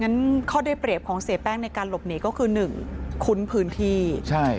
งั้นข้อได้เปรียบของเสียแป้งในการหลบหนีก็คือหนึ่งคุ้นพื้นที่ใช่